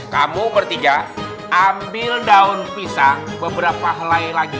kamu bertiga ambil daun pisang beberapa helai lagi